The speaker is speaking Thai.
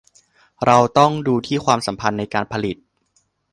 เราต้องดูที่ ความสัมพันธ์ในการผลิต